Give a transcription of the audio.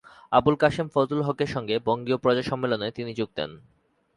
আবুল কাশেম ফজলুল হকের সঙ্গে বঙ্গীয় প্রজা সম্মেলনে তিনি যোগ দেন।